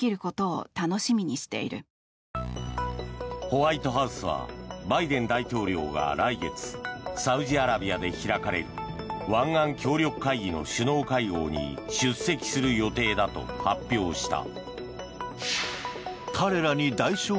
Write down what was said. ホワイトハウスはバイデン大統領が来月サウジアラビアで開かれる湾岸協力会議の首脳会合に出席する予定だと発表した。